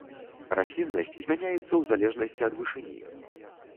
Расліннасць змяняецца ў залежнасці ад вышыні.